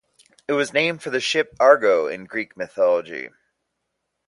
It was named for the ship "Argo" in Greek mythology.